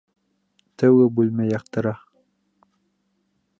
Тәүге бүлмә яҡтыра.